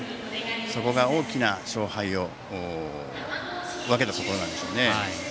そこが大きな勝敗を分けたところなんでしょうね。